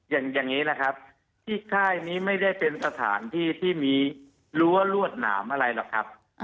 อย่างนี้แหละครับที่ค่ายนี้ไม่ได้เป็นสถานที่ที่มีรั้วรวดหนามอะไรหรอกครับ